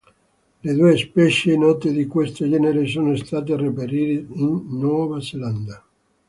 Le due specie note di questo genere sono state reperite in Nuova Zelanda.